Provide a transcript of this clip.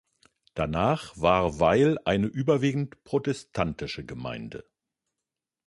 Danach war Weil eine überwiegend protestantische Gemeinde.